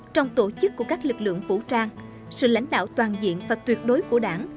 trong tổ chức của các lực lượng vũ trang sự lãnh đạo toàn diện và tuyệt đối của đảng